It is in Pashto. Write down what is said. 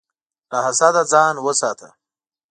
له حسده ځان وساته.